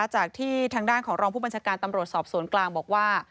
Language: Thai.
จากที่ทางด้านของรองผู้บัญชาการตำรวจสอบสวนกลางบอกว่า